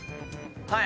はい。